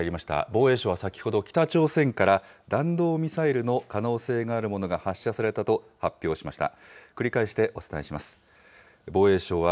防衛省、先ほど、北朝鮮から弾道ミサイルの可能性があるものが発射されたと発表しました。